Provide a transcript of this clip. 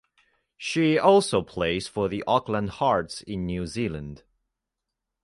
She also plays for the Auckland Hearts in New Zealand.